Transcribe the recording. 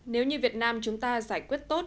nếu như việt nam chúng ta giải quyết tốt